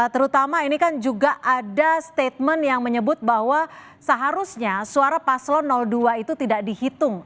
terutama ini kan juga ada statement yang menyebut bahwa seharusnya suara paslon dua itu tidak dihitung